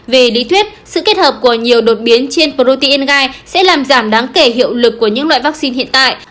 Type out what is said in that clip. về lý thuyết sự kết hợp của nhiều đột biến trên protein gai sẽ làm giảm đáng kể hiệu lực của những loại vaccine hiện tại